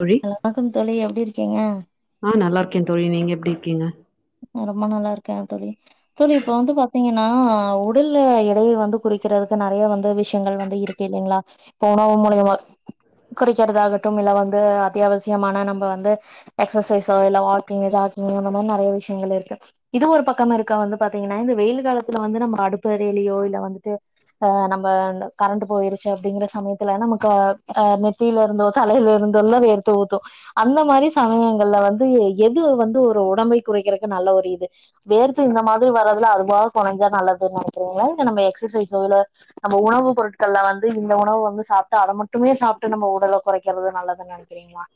தோழி ஹலோ வணக்கம் தோழி எப்டி இருக்கீங்க க்கே தோழி நீங்க எப்டி இருக்கீங்க ரொம்ப நல்லா இருக்கேங் தோழி தோழி இப்ப வந்து பாத்தீங் நா உடல்ல எடைய வந்து குறைக்கிறதுக்கு நறைய வந்து விஷயங்கள் வந்து இருக்கு இல்லைங்குளா இப்ப உணவு மூலியமா குறைக்கிறதாகட்டும் இல்ல வந்து அத்தியாவசியமான நம்ம வந்து எக்சசைஸோ இல்ல வாக்கிங் ஜாகிங் அந்த மாரி நறைய விஷ் ஷ்யங்கள் இருக்கு இது ஒரு பக்கமே இருக்கா வந்து பாத்தீங்கன்னா இந்த வெயிலு காலத்துல வந்து நம்ம அடுப்பெறையிலயோ இல்ல வந்துட்டு அ நம்ம இந்த கரண்ட்டு போயிருச்சு அப்டிங்கிற சமயத்துல நமக்கு ஆ நெத்தியில இருந்தோ தலையில இருந்தோல்ல வேர்த்து ஊத்து அந்த மாரி சமயங்கள்ல வந்து எது வந்து ஒரு ஒடம்பை குறைக்கிறக்கு நல்ல ஒரு இது வேர்த்து இந்த மாதிரி வரதுல அதுவா கொறைஞ்சா நல்லதுன்னு நனைக்கிறீங்களா இல்ல நம்ம எக்சசைஸோ இல்ல நம்ம உணவு பொருட்கள்ல வந்து இந்த உணவு வந்து சாப்பிட்டு அத மட்டுமே சாப்பிட்டு நம்ம உடல கொறைக்கிறது நல்லதுன்னு நனைக்கிறீங்களா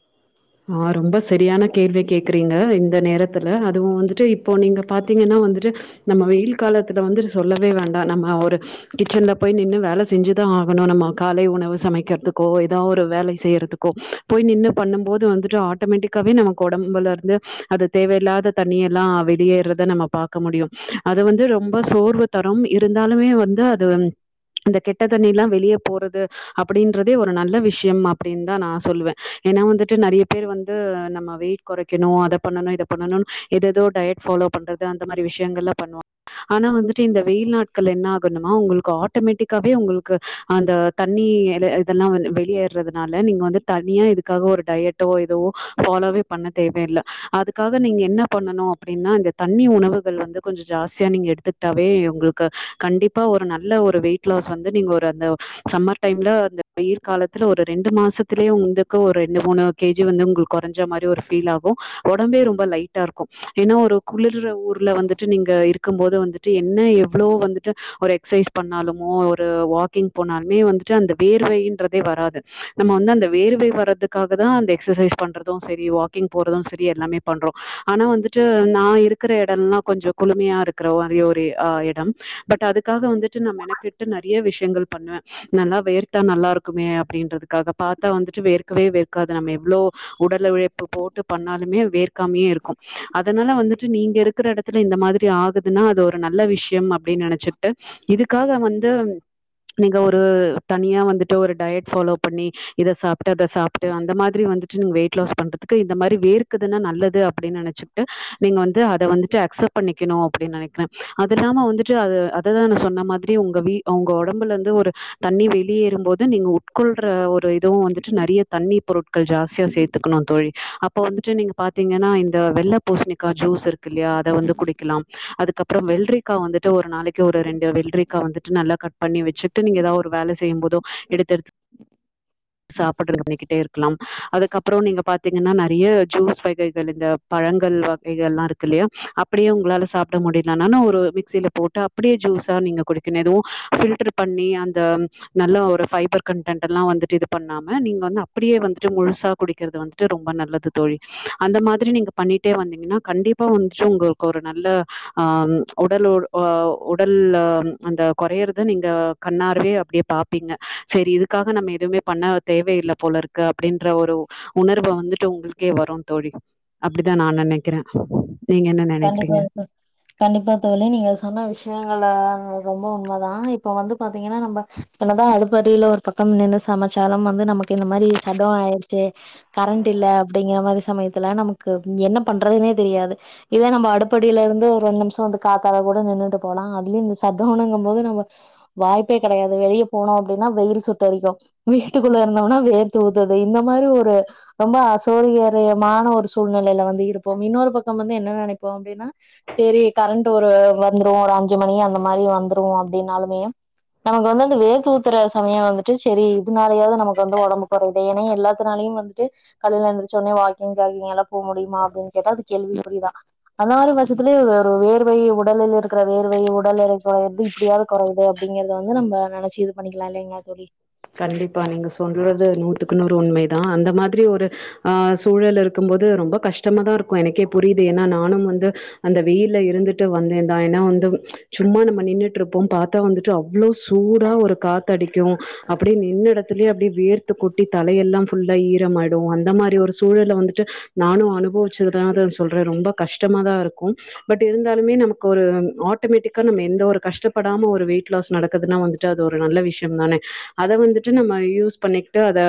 ஆ ரொம்ப செரியான கேள்வி கேக்குறீங்க இந்த நேரத்துல அதுவு வந்துட்டு இப்போ நீங்க பாத்தீங்கன்னா வந்துட்டு நம்ம வெயில் காலத்துல வந்துட் சொல்லவே வேண்டா நம்ம ஒரு கிச்சன்ல போய் நின்னு வேல செஞ்சுதா ஆகணு நம்ம காலை உணவு சமைக்கிறதுக்கோ எதோ ஒரு வேல செய்றதுக்கோ போய் நின்னு பண்ணும் போது வந்து ஆட்டோமேட்டிக்காவே நமக் ஒடம்புல இருந்து அது தேவையில்லாத தண்ணியெல்லா வெளியேறத நம்ம பாக்க முடியும் அத வந்து ரொம்ப சோர்வு தரும் இருந்தாலுமே வந்து அது இந்த கெட்ட தண்ணி எல்லா வெளியே போறது அப்பிடின்றதே ஒரு நல்ல விஷிம் அப்டின் தா நா சொல்லுவே ஏனா வந்துட் ட்டு நெறைய பேர் வந்து நம்ம வெயிட் கொறைக்குணு அத பண்ணனு இத பண்ணனு எதோதோ டயட் ஃபாலோ பண்றது அந்த மாரி விஷயங்கல்லா பண்ணுவாங் ஆனா வந்துட்டு இந்த வெயில் நாட்கள என்ன ஆகுனுமா உங்களுக் ஆட்டமெட்டிக்காவே உங்களுக்கு அந்த தர் நீ எலே இதெல்லா வந்து வெளிய ற்றதுனால நீங்க வந்து தளியே இதுக்காக ஒர் டயட்டோ இதுவோ ஃபாலோவே பண்ண தேவையில்ல அதுக்காக நீங்க என்ன பண்ணனு அப்டின்னா இந்த தண்ணி உணவுகள் வந்து கொஞ்ச ஜாஸ்தியா நீங்க எடுத்துக்ட்டாவே உங்கக்கு கண்டிப்பா ஒரு நல்ல ஒரு வெயிட்லாஸ் வந்து நீங்க ஒரு அந்த சம்மர் டைம்ல அந்த வெயிர் காலத்துல ஒரு ரெண்டு மாசத்திலே உன்ந்தக்க ஒரு மூணு கே ஜி வந்துங் குள் கொறஞ்ச மாரி ஒரு ஃபீல் ஆகு ஒடம்பே ரொம்ப லைட்டாருக்கு ஏன்னா ஒரு குளிர்ற ஊர்ல வந்துட்டு நீங்க இருக்கும் போது வந்து ட்டு என்ன எவ்ளோ வந்துட்டு ஒரு எக்ஸைஸ் பண்ணாலுமோ ஒரு வாக்கிங் போனாலுமே வந்துட்டு அந்த வேர்வையின்றதே வராது நம்ம வந்து அந்த வேர்வை வர்றது க்குதா அந்த எக்ஸசைஸ் பண்றது செரி வாக்கிங் போறது செரி எல்லாமே பண்றோ ஆனா வந்து ட்டு நா இருக்குற எடல்லா கொஞ்சொ குளுமையா இருக்குற மாரி ஒரு ஆ எடம் பட் அதுக்காக வந்து ட்டு நா மெனக்கெட்டு நெறைய விஷ்யங்கள் பண்ணுவே நல்லா வேர்த்தா நல்லா இருக்குமே அப்டின்றதுக்காக பாத்தா வந்துட்டு வேர் க்கவே வேர்க்காது நம்ம எவ்ளோ உடல உழைப்பு போட்டு பண்ணாலுமே வேர்க்காமையே இருக்கும் அதனால வந்துட்டு நீங்க இருக்குற எடத்துல இந்த மாதிரி ஆகுதுன்னா அது ஒரு நல்ல விஷ்யம் அப்டின் நெனச்சுட்டு இதுக்காக வந்து நீங்க ஒரு தனியா வந்துட்டு ஒரு டயட் ஃபாலோ பண்ணி இத சாப் ட்டு அத சாப்ட்டு அந்த மாதிரி வந்துட்டு நீங்க வெயிட் லாஸ் பண்றதுக்கு இந்த மாரி வேர்க்குதுன்னா நல்லது அப்டின் நெனச்சுக்ட்டு நீங்க வந்து அத வந்துட்டு அக்சப்ட் பண்ணிக்கணு அப்டின் நெனைக்கிறே அது இல்லாம வந்துட்டு அது அததா நா சொன்ன மாதிரி உங்க வீ ஒங்க ஒடம்புலந்து ஒரு தண்ணி வெளியேறும்போது நீங்க உட்கொள்ற ஒரு இ [unintelligible] நெறைய தண்ணி பொருட்கள் ஜாஸ்தியா சேத்துக்கணு தோழி அப்பொ வந்துட்டு நீங்க பாத்தீங்கனா இந்த வெள்ள பூசணிக்கா ஜூஸ் இருக்குல்லயா அத வந்து குடிக்கலாம் அதுக்கப்றம் வெள்ரிக்கா வந்துட்டு ஒரு நாளைக்கு ஒரு ரெண்டு வெள்ரிக்கா வந்துட்டு நல்லா கட் பண்ணி வெச்சுட்டு நீங்க எதா ஒரு வேல செய்யும் போதொ எடுத்தெடுத்து சாப்புட்ற [inaudible] இருக்கலாம் அதுக்கப்றொ நீங்க பாத்தீங்கன்னா நறைய ஜூஸ் வகைகள் இந்த பழங்கள் வகைகள்லா இருக்குல்லயா அப்பிடியே உங்ளால சாப்ட முடியலனான ஒரு மிக்சில போட்டு அப் டியே ஜுஸா நீங்க குடிக்கனு எதுவு பில்ட்ரு பண்ணி அந் த நல்ல ஒரு ஃபைபர் கண்ட்டன்ட்டல்லா வந்துட்டு இது பண்ணாம நீங்க வந்து அப்புடியே வந்துட்டு முழுசாக குடிக்கிறது வந்துட்டு ரொம்ப நல்லது தோழி அந்த மாதிரி நீங்க பண்ணிட்டே வந்தீங்கன்னா கண்டிப்பா [unintelligible] உங்கள்க்கு ஒரு நல்ல ஆம் உடல் ஒ உடல்ல அந்த கொறயறத நீங்க கண்ணார்வே அப்டியே பாப்பீங்க செரி இதுக்காக நம்ம எதுவ்மே அ தேவையில்ல போலருக்கு அப்டின்ற ஒரு உணர்வ வந்துட்டு உங்கள்க்கே வரு தோழி அப்டி தா நா நெனைக்கிறே நீங்க என்ன நெனைக்கிறீங்க கண்டிப்பா தோ கண்டிப்பா தோழி நீங்க சொன்ன விஷ் யங்கள ரொம்ப உண்ம தா இப்ப வந்து பா த்திங்கனா நம்ப என்ன தா அடுப் படில ஒரு பக்கம் நின்னு சமச்சாலும் வந்து நமக்கு இந்த மாரி சட் டவுன் ஆயிருச்சு கரண்ட் இல்ல அப்டிங்கிற மாரி சமயத்துல நமக்கு என்ன பண்றதுனே தெரியாது இத நம்ப அடுப்படில இருந்து ஒரு ரெண் நிம்ஷோ வந்து காத்தாட கூட நின்னுட்டு போலா அதுலயு இந்த சட்டவுனுங்கும் போது நம்ப வாய்ப்பே கெடையாது வெளிய போனோ அப்டின்னா வெயில் சுட்டெரிக்கு வீட்டுக்குள்ள இருந்தொம்னா வேர்த்து ஊத்துது இந்த மாரி ஒரு ரொம்ப அசோரியரியமான ஒரு சூழ்நெலைல வந்து இருப்போம் இன்னொரு பக்கம் வந்து என்ன ந னெப்போ அப்டின்னா சேரி கரண்ட் ஒரு வந்துரு ஒரு அஞ்சு மணி அந்த மாரி வந்துரு அப்டின்னாலுமே நமக்கு வந்து அந்த வேத்து ஊத்துற சமயொ வந்துட்டு சேரி இதுனாலயாவ்து நமக்கு வந்து ஒடம்பு கொறையுதே ஏனா எல்லாத்துனாலயும் வந்துட்டு காலைல எந்துருச்சோன்னெ வாக்கிங் ஜாகிங் எல்லா போ முடிமா அப்டின் கேட்டா அது கேள்வி குறிதா அந்த மாரி பச்சத்துலயே ஒரு வேர்வை உடலில் இருக்கிற வேர்வை உடல் எடை கொறயிறது இப்டியாது கொறயிதே அப்டிங்கிறத வந்து நம்ப நெனச்சு இது பண்ணிக்கலா இல்லைங்ளா தோழி கண்டிப்பா நீங்க சொல்றது நூத்துக்கு நூறு உண்மைதா அந்த மாதிரி ஒரு ஆ சூழல் இருக்கும் போது ரொம்ப கஷ்டமா தா இருக்கு எனக்கே புரியிது ஏன்னா நானும் வந்து அந்த வெயில்ல இருந்துட்டு வந்தேந்தா என்னா வந்து சும்மா நம்ம நின்னுட்ருப்போம் பாத்தா வந்துட்டு அவ்ளோ சூ டா ஒரு காத்தடிக்கு நின்ன எடத்துலயே அப்டி வேர்த்து கொட்டி தலையெல்லா ஃபுல்லா ஈரமாயிடு அந்த மாரி ஒரு சூழல்ல வந்துட்டு நானு அனுபவிச்சதுனாதா சொல்றே ரொம்ப கஷ்டமா தா இருக்கு பட் இருந்தாலுமே நமக்கு ஒரு ஆட்டோமேட்டிக்கா நம்ம எந்த ஒரு கஷ்டப்படாம ஒரு வெயிட் லாஸ் நடக்குதுன்னா வந்துட்டு அது ஒரு நல்ல விஷ்யம் தானெ அத வந்துட்டு நம்ம யூஸ் பண்ணிக்கிட்டு அத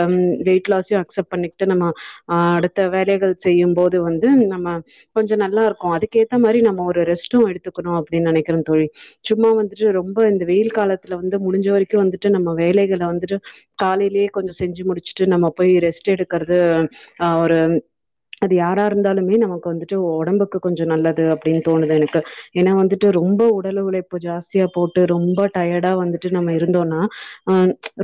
வெயிட் லாஸையு அக்சப்ட் பண்ணிக்ட்டு நம்ம ஆ அடுத்த வேலைகள் செய்யும் போது வந்து நம்ம கொஞ்ச நல்லா இருக்கு அதுக்கேத்த மாரி நம்ம ஒரு ரெஸ்ட்டு எடுத்துக்குணு அப்டின் நெனைக்கிறன் தோழி சும்மா வந்துட்டு ரொம்ப இந்த வெயில் காலத்துல வந்து முடுஞ்ச வரைக்கு வந்துட்டு நம்ம வேலைகள் ல வந்துட்டு காலைலெயே கொஞ்ச செஞ்சு முடுச்சுட்டு நம்ம போய் ரெஸ்ட் எடுக்கறது ஆ ஒரு அது யாரா இருந்தாலுமே நமக்கு வந்துட்டு ஒடம்புக்கு கொஞ்சொ நல்லது அப்டின் தோணுது எனக்கு ஏனா வந்துட்டு ரொம்ப உடல் உழைப்பு ஜாஸ்தியா போட்டு ரொம்ப டயடா வந்துட்டு நம்ம இருந்தோனா அ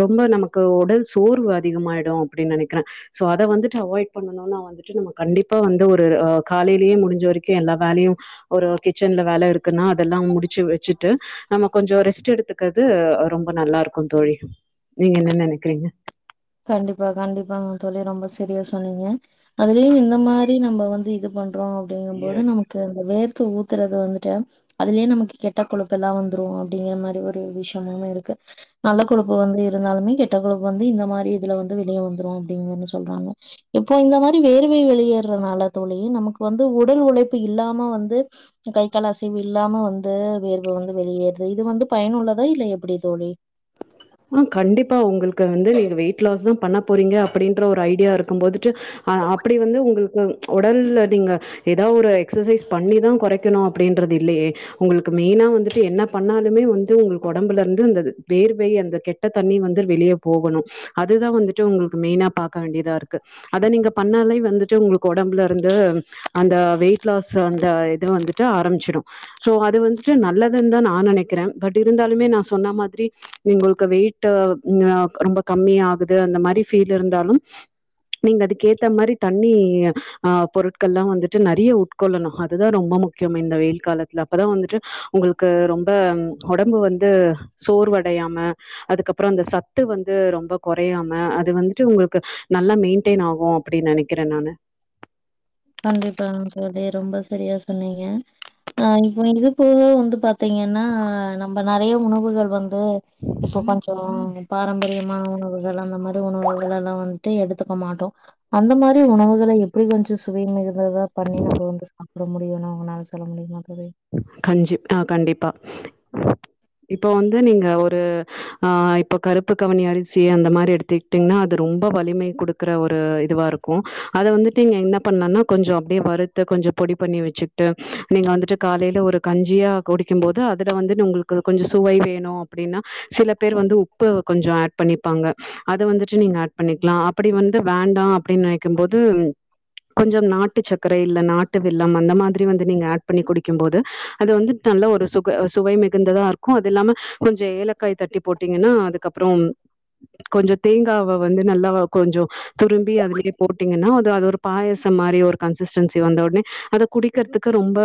ரொம்ப நமக்கு உடல் சோர்வு அதிகமாயிடு அப்டின் நெனக்கிறே சோ அத வந்துட்டு அவாய்ட் பண்ணனுனா வந்துட்டு நம்ம கண்டிப்பா வந்து ஒரு அ காலைலெயே முடுஞ்ச வரைக்கு எல்லா வேலையு ஒரு கிச்சன்ல வேல இருக்குன்னா அதெல்லா முடுச்சு வச்சிட்டு நம்ம கொஞ்சொ ரெஸ்ட் எடுத்துக்கது ரொம்ப நல்லா இருக்கு தோழி நீங்க என்ன நெனைக்கிறீங்க கண்டிப்பா கண்டிப்பாங்க தோழி ரொம்ப செரியா சொன்னீங்க அதுலயும் இந்த மாரி நம்ப வந்து இது பண் அப்படிங்கும் போது நமக்கு அந்த வேர்த்த ஊத்துறது வந்துட்டு அதுலயே நமக்கு கெட்டக்கொழுப்பு எல்லாம் வந்துரும் அப்படிங்கிற மாதிரி ஒரு விஷயம இருக்கு நல்ல கொழுப்பு வந்து இருந்தாலுமே கெட்டக்கொழுப்பு வந்து இந்த மாதிரி இதுல வந்து வெளியே வந்துரும் அப்படிங்கனு சொல்றாங்க இப்போ இந்த மாதிரி வேர்வை வெளியேறதுனலா தோழி நமக்கு வந்து உடல் உழைப்பு இல்லாம வந்து கை காலசைவு இல்லாம வந்து இந்த வேர்வ வந்து வெளியேறுது இது வந்து பயனுள்ளதா இல்ல எப்டி தோழி ஆஹ் கண்டிப்பா உங்களுக்கு வந்து நீங்க வெயிட் லாஸ் தான் பண்ண போறீங்க அப்படின்ற ஒரு ஐடியா இருக்கும் போதுட்டு அஹ் அப்படி வந்து உங்களுக்கு உடல்ல நீங்க ஏதாவ ஒரு எக்சைஸ் பண்ணிதான் கொறைக்கணும் அப்படின்றது இல்லையே உங்களுக்கு மெயினா வந்துட்டு என்ன பண்ணாலுமே வந்து உங்களுக்கு உடம்புல இருந்து இருந்தது வேர்வை அந்த கெட்ட தண்ணி வந்து வெளியே போகனும் அது தா வந்துட்டு உங்களுக்கு மெயினா பாக்க வேண்டிதா இருக்கு அத நீங்க பண்ணாலே வந்துட்டு உங்களுக்கு ஒடம்புல இருந்து அந்த வெயிட் லாஸ் அந்த இது வந்துட்டு ஆரம்பிச்சிடும் சோ அது வந்துட்டு நல்லதுன்னு தா நா நெனைக்கிற பட் இருந்தாலுமே நா சொன்ன மாதிரி உங்களுக்கு வெயிட்ஹ ரொம்ப கம்மி ஆகுது அந்த மாதிரி பீல் இருந்தாலும் நீங்க அதுக்கு ஏத்த மாதிரி தண்ணி ஆஹ் பொருட்கள் எல்லாம் வந்துட்டு நெறைய உட்கொள்ளணும் அதுதான் ரொம்ப முக்கியம் இந்த வெயில் காலத்துல அப்பதான் வந்துட்டு உங்களுக்கு ரொம்ப உடம்பு வந்து சோர்வட அடையாம அதுக்கப்புறோ அந்த சத்து வந்து ரொம்ப கொறையாம அது வந்துட்டு உங்களுக்கு நல்லா மெயின்டெயின் ஆகும் அப்டின்னு நெனைக்கிறேன் நானு கண்டிப்பா தோழி ரொம்ப சரியா சொன்னீங்க ஆஹ் இப்போ இது போத வந்து பா பார்த்தீங்கன்னா நம்ம நெறைய உணவுகள் வந் இப்போ கொஞ்சோம் பாரம்பரியமான உணவுகள் அந்த மாரி உணவுகள் எல்லா வந்துட்டு எடுத்துக்க மாட்டோம் அந்த மாரி உணவுகளை எப்டி கொஞ்சோ வீன் மிகர் [unintelligible] அத தா பண்ணி நம்ப வந்து சாப் கஞ்சி ஆஹ் கண்டிப்பா இப்போ வந்து நீங்க ஒரு ஆ இப்ப கருப்பு கவனி அரிசி அந்த மாரி எடுத்துக்கிட்டீங்கன்னா அது ரொம்ப வலிமை கொடுக்குற ஒரு இதுவா இருக்கும் அத வந்துட்டு நீங்க என்ன பண்ணோனா கொஞ்சோம் அப்டியே வறுத்த கொஞ்சோ பொடி பண்ணி வெச்சுக்கிட்டு நீங்க வந்துட்டு காலையில ஒரு கஞ்சியா குடிக்கும்போது அதுல வந்து உங்களுக்கு கொஞ்சோ சுவை வேணு அப்படின்னா சில பேர் வந்து உப்பு கொஞ்சோ ஆட் பண்ணிப்பாங்க அத வந்துட்டு நீங்க ஆட் பண்ணிக்கலா அப்டி வந்து வேண்டா அப்டின்னு நெனைக்கும்போது கொஞ்சோ நாட்டு சக்கரை இல்ல நாட்டு நாட்டு வெல்லம் அந்த மாதிரி வந்து நீங்க ஆட் பண்ணி குடிக்கும் போது அது வந்து நல்லா ஒரு சுவை மிகுந்ததா இருக்கு அது இல்லாம கொஞ்சோ ஏலக்காய் தட்டி போட்டீங்கன்னா அதுக்கப்புறோ கொஞ்சோ தேங்காவை வந்து நல்லா கொஞ்சோ துரும்பி அதுலயே போட்டீங்கன்னா அது ஒரு பாயசம் மாரி ஒரு கன்சிஸ்டன்சி வந்த ஒடனே அத குடிக்குறத்துக்கு ரொம்ப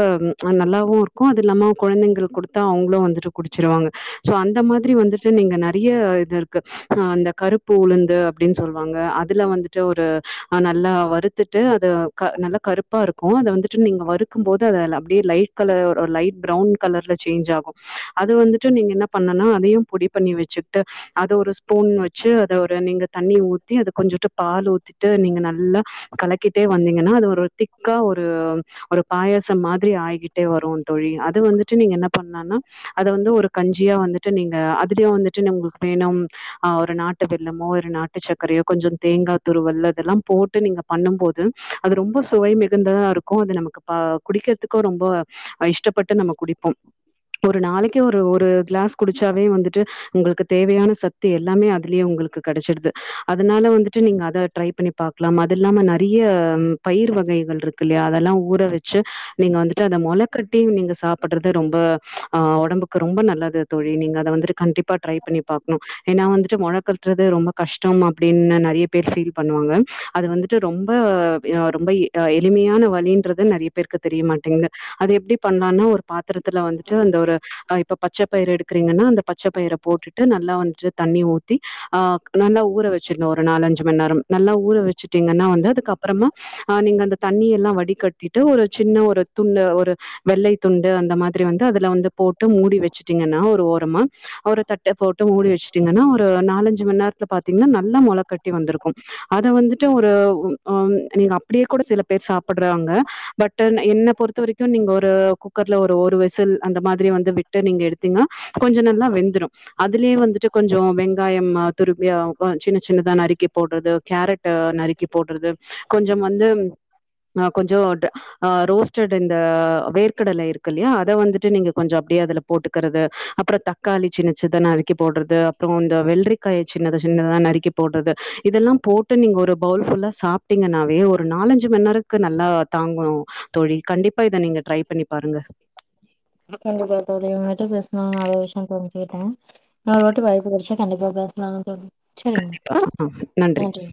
நல்லாவும் இருக்கும் அது இல்லாம குழந்தைங்க குடுத்தா அவங்களும் வந்துட்டு குடிச்சிருவாங்க சோ அந்த மாதிரி மாதிரி வந்துட்டு நீங்க நெறைய இது இருக்கு அந்த கருப்பு உளுந்து அப்டின் சொல்லுவாங்க அதுல வந்துட்டு ஒரு நல்லா வறுத்துட்டு அது நல்ல கருப்பா இரு அத வந்துட்டு நீங்க வறுக்கும் போது அத அப்படியே லைட் கலர் லைட் பிரவுன் கலர்ல சேஞ் ஆகும் அது வந்துட்டு நீங்க என்ன பண்ண அதையும் பொடி பண்ணி வச்சுக்கிட்டு அது ஒரு ஸ்பூன் வச்சு அதை ஒரு நீங்க தண்ணி ஊத்தி அத கொஞ்ச ட்டு பால் ஊத்திட்டு நீங்க நல்லா கலக்கிட்டே வந்தீங்கன்னா அது ஒரு திக் க்க ஒரு ஒரு பாயசம் மாதிரி ஆகிட்டே வரும் தோழி அது வந்துட்டு நீங்க என்ன பண்ணலாம்னா அதை வந்து ஒரு கஞ்சியா வந்துட்டு நீங்க அதிலும் வந்துட்டு வேணும் ஆஹ் ஒரு நாட்டு இந்த மோர் நாட்டுச்சக் சக்கரைய கொஞ்சம் தேங்காய் துருவல்ல அதெல்லாம் போட்டு நீங்க பண்ணும் போது அது ரொம்ப சுவை தான் இருக்கும் அது நமக்கு குடிக்கிறதுக்கும் ரொம்ப இஷ்டப்பட்டு நம்ம குடிப்போம் ஒரு நாளைக்கு ஒரு ஒரு கிளாஸ் குடிச்சாவே வந்துட்டு உங்களுக்கு தேவையான சத்து எல்லாமே அதுலயே உங்களுக்கு கிடைச்சிடுது அதனால வந்துட்டு நீங்க அத ட்ரை பண்ணி பாக்கலாம் அது இல்லாம நெறைய பயிர் வகைகள் இருக்கு இல்லையா அதெல்லாம் ஊற வச்சு நீங்க வந்துட்டு அதை மொளை கட்டி நீங்க சாப் படறது ரொம்ப ஆ உடம்புக்கு ரொம்ப நல்லது தோழி நீங்க அத வந்துட்டு கண்டிப்பா ட்ரை பண்ணி பாக்கணும் ஏன்னா வந்துட்டு முழ கட்டுறது ரொம்ப கஷ்டம் அப்படின்னு நெறைய ப் பீல் பண்ணுவாங்க அது வந்துட்டு ரொம்ப ரொம்ப எளிமையான வழின்றது நெறைய பேருக்கு தெரியமாட்டேங்குது அது எப்படி பண்ணலாம்ணு ஒரு பாத்திரத்துல வந்துட்டு அந்த ஒரு இப்ப பச்சை பயிர எடுக்குறீங்கனா அந்த ப பச்சப்பயிரை போட்டுட்டு நல்லா வந்துட்டு தண்ணி ஊத்தி ஆ நல்லா ஊற வச்சிடனும் ஒரு நாலஞ்சு மணி நேரம் நல்லா ஊற வச்சுட்டிங்கன்னா வந்து அதுக்க அப்பறமா அஹன் நீங்க அந்த தண்ணி எல்லாம் வடிகட்டிட்டு ஒரு சின்ன ஒரு துண்டு ஒரு வெள்ளை துண்டு அந்த மாதிரி வந்து அதுல வந்து போட்டு மூடி வச்சுட்டீங்கன்னா ஒரு ஓரமா அவரை தட்டை போட்டு மூடி வச்சுட்டீங்கன்னா ஒரு நாலஞ்சு மணி நேரத்துல பா்த்தீங்கன்னா நல்லா முளை கட்டி வந்திருக்கும் அத வந்துட்டு ஒரு நீங்க அப்படியே கூட சில பட்டு் என்ன பொறுத்த வரைக்கும் நீங்க ஒரு குக்கர்ல ஒரு ஒரு வெசில் அந்த மாதிரி வந்து விட்டு நீங்க எடுத்தீங்கா கொஞ்சம் நல்லா வெந்துரும் அதுலயே வந்துட்டு கொஞ்சம் வெங்காயம் துருவி சின்ன சின்னதா நறுக்கி போடுறது கேரட் நறுக்கி போடுறது கொஞ்சம் வந்து ஆ கொஞ்சோ ஆ ரோஸ்டட் இந்த கொஞ்சம் அப்படியே அதுல போட்டுக்கிறது அப்புறம் தக்காளி சின்னச்சதான் நறுக்கி போடுறது அப்புறம் இந்த வெள்ளரிக்காய் சின்னத சின்னதா நறுக்கி போடுறது இதெல்லாம் போட்டு நீங்க ஒரு பவுல் ஃபுல்லா சாப்பிட்டீங்கன்னாவே ஒரு நாலஞ்சு ன்நேரத்துக்கு நல்லா தாங்கும் தோழி கண்டிப்பா இத நீங்க ட்ரை பண்ணி பாருங்க ஓகே ங்க தோழி இன்னொரு முறை கண்டிப்பா பேசலாம் டேன் நான் இன்னொரு வாட்டி வாய்ப்பு கெடச்சா கண்டிப்பா பேசலாம் சொ செரிங்க ஓகே நன்றி